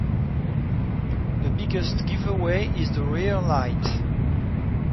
The biggest giveaway is the rear light.